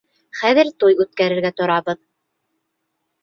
Хәҙер туй үткәрергә торабыҙ.